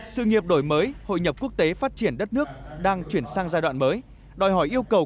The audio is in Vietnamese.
sự nghiệp đổi mới hội nhập quốc tế phát triển đất nước đang chuyển sang giai đoạn mới đòi hỏi yêu cầu